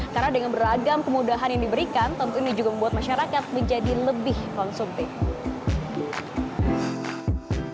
karena dengan beragam kemudahan yang diberikan tentunya ini juga membuat masyarakat menjadi lebih konsumtif